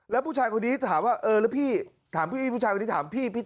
แล้วผู้ชายคนนี้ถามว่าเออแล้วพี่